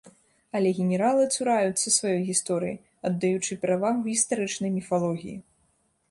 Але генералы цураюцца сваёй гісторыі, аддаючы перавагу гістарычнай міфалогіі.